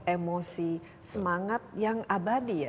emosi semangat yang abadi ya